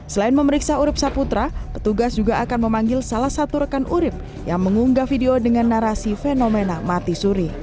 selain memeriksa urib saputra petugas juga akan memanggil salah satu rekan urib yang mengunggah video dengan narasi fenomena mati suri